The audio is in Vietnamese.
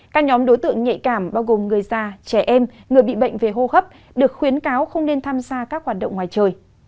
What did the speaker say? các nhóm đối tượng nhạy cảm bao gồm người già trẻ em người bị bệnh về hô hấp được khuyến cáo không nên tham gia các hoạt động ngoài trời